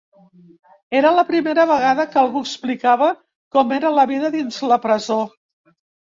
Era la primera vegada que algú explicava com era la vida dins la presó.